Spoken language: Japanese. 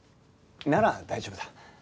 なら大丈夫だ。